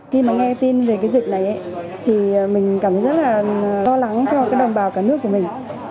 khi mà nghe tin về cái dịch này thì mình cảm thấy rất là lo lắng cho cái đồng bào cả nước của mình